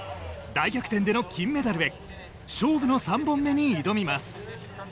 大逆転での金メダルへ、勝負の３本目に挑みます。